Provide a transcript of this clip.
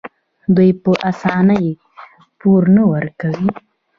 دوی په اسانۍ پور نه ورکوي.